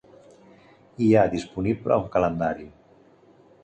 Hi ha disponible un calendari.